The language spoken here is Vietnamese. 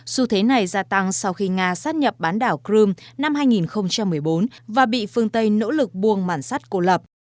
dù thế này gia tăng sau khi nga xác nhập bán đảo crimea năm hai nghìn một mươi bốn và bị phương tây nỗ lực buông mản sát cô lập